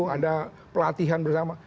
ada pelatihan bersama